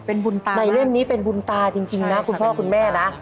เป็นบุญตาในเล่มนี้เป็นบุญตาจริงนะคุณพ่อคุณแม่นะ